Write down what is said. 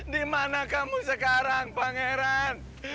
di mana kamu sekarang pangeran